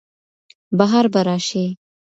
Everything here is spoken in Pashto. بهار به راشي.